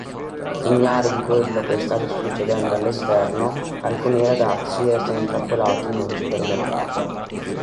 Ignari di quello che sta succedendo all'esterno, alcuni ragazzi restano intrappolati in un supermercato.